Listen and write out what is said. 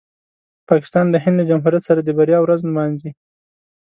پاکستان د هند له جمهوریت سره د بریا ورځ نمانځي.